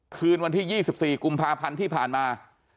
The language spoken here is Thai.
คืนวันที่๒๔กุมภาพันธ์ที่ผ่านมา